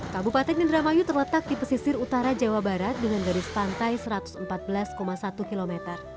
kabupaten indramayu terletak di pesisir utara jawa barat dengan garis pantai satu ratus empat belas satu km